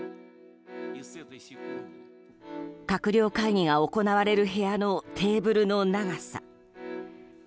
閣僚会議が行われる部屋のテーブルの長さ。